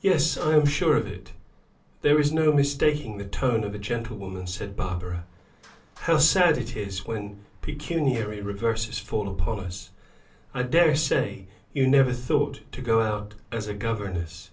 "Yes, I am sure of it; there is no mistaking the tone of a gentlewoman," said Barbara. "How sad it is when pecuniary reverses fall upon us! I dare say you never thought to go out as a governess."